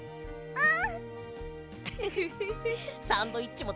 うん！